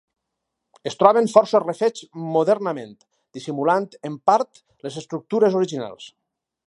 Es troben força refets modernament, dissimulant en part les estructures originals.